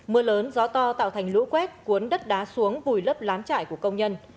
mưa lớn gió to tạo thành lũ quét cuốn đất đá xuống vùi lớp lán chải của công nhân